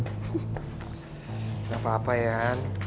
gak apa apa yan